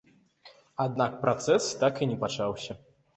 Аднак працэс так і не пачаўся.